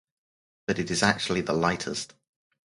But it is actually the lightest.